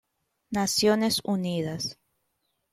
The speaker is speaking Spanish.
Naciones Unidas